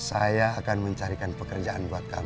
saya akan mencarikan pekerjaan buat kami